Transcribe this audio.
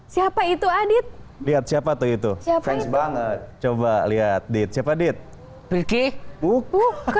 siapa itu adit lihat siapa tuh itu siapa itu banget coba lihat di cepet di pilki buku buku